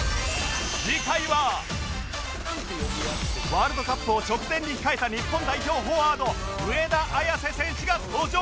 ワールドカップを直前に控えた日本代表フォワード上田綺世選手が登場！